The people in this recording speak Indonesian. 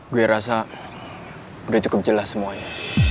gue rasa udah cukup jelas semuanya